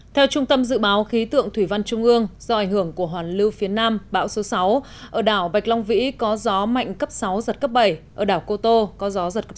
theo trung tâm dự báo khí tượng thủy văn trung ương do ảnh hưởng của hoàn lưu phía nam bão số sáu ở đảo bạch long vĩ có gió mạnh cấp sáu giật cấp bảy ở đảo cô tô có gió giật cấp sáu